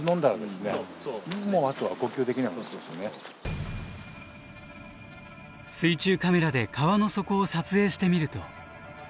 川が水中カメラで川の底を撮影してみると。